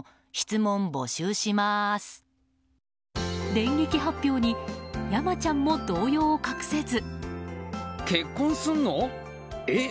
電撃発表に山ちゃんも動揺を隠せず。